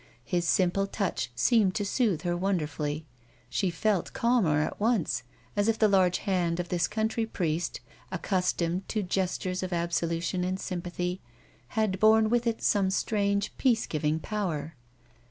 His simple touch seemed to soothe her wonderfully ; she felt calmer at once, as if the large hand of this country priest, accustomed to gestures of absolution and sympathy, had borne with it some strange, peace giving power.